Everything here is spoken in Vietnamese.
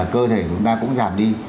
cơ thể của chúng ta cũng giảm đi